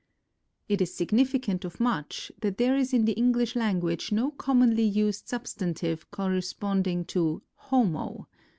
It is significant of much that there is in the English language no commonly used substantive corresponding to "homo."